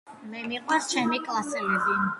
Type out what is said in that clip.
მე მიყვარს ჩემი კლასელები